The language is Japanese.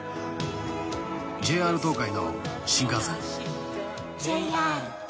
ＪＲ東海の新幹線。